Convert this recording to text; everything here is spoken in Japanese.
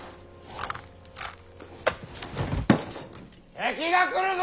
敵が来るぞ！